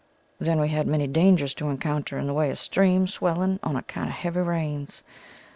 Then we had many dangers to encounter in the way of streams swelling on account of heavy rains.